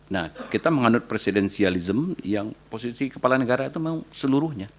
nah kita menganut presidensialism yang posisi kepala negara itu memang seluruhnya